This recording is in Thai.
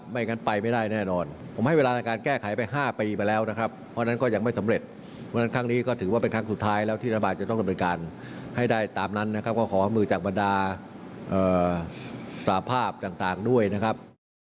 ตามนั้นก็ขอมือจากบรรดาสาภาพต่างด้วยนะครับ